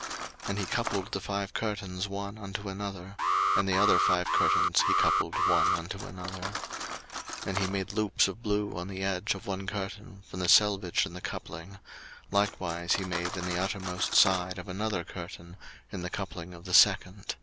02:036:010 And he coupled the five curtains one unto another: and the other five curtains he coupled one unto another. 02:036:011 And he made loops of blue on the edge of one curtain from the selvedge in the coupling: likewise he made in the uttermost side of another curtain, in the coupling of the second.